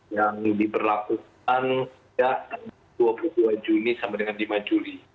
yang diperlakukan dari dua puluh dua juli sampai dengan lima juli